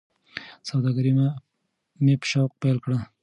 سوداګري مې په شوق پیل کړه.